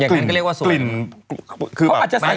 อย่างนั้นก็เรียกว่าสวย